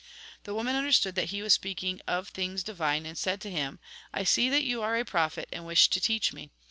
The woman understood that he was speaking of things divine, and said to him :" I see that you are a prophet, and wish to teach me.